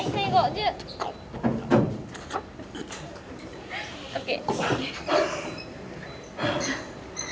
１０！ＯＫ。